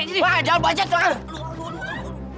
jangan bajet dong